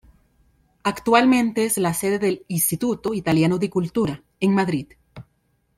Actualmente es la sede del "Istituto Italiano di Cultura" en Madrid.